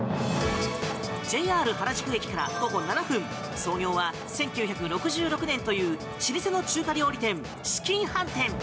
ＪＲ原宿駅から徒歩で７分創業は１９６６年という老舗の中華料理店、紫金飯店。